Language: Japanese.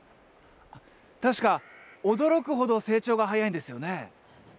確か驚くほど成長が早いんですよね？